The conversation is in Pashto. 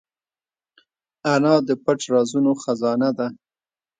انا د پټ رازونو خزانه ده